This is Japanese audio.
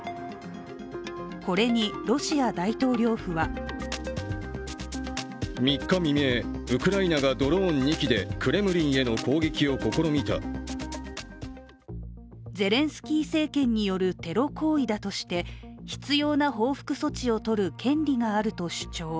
これにロシア大統領府はゼレンスキー政権によるテロ行為だとして、必要な報復措置を取る権利があると主張。